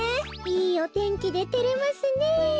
いいおてんきでてれますねえ。